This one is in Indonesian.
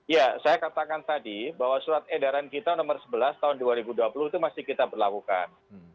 ya saya katakan tadi bahwa surat edaran kita nomor sebelas tahun dua ribu dua puluh itu masih kita berlakukan